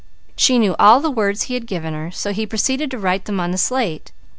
She knew all the words he had given her, so he proceeded to write them on the slate.